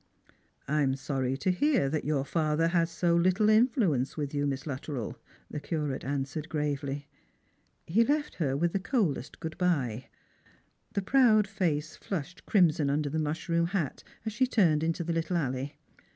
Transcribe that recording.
" I am sorry to hear that your father has so little influence with you. Miss Luttrell," the Curate answered gravely. He left her with the coldest good bye. The proud face flushed crimson under the mushroom hat as she turned into the little alley.